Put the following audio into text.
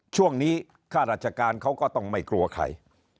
ช่วงนี้ข้าราชการเขาก็ต้องไม่กลัวใคร